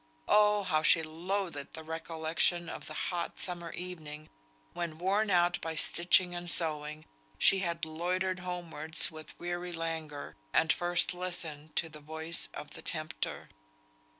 Oh! how she loathed the recollection of the hot summer evening, when, worn out by stitching and sewing, she had loitered homewards with weary languor, and first listened to the voice of the tempter.